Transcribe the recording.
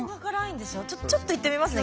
ちょっといってみますね黄色。